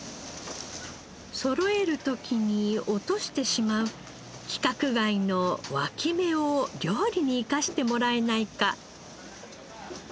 そろえる時に落としてしまう規格外の脇芽を料理に生かしてもらえないか。